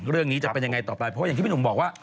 เรื่องนี้จะเป็นยังไงต่อไปเพราะอย่างที่พี่หนุ่มบอกว่า